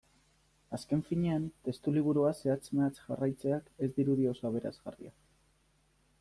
Azken finean, testuliburua zehatz-mehatz jarraitzeak ez dirudi oso aberasgarria.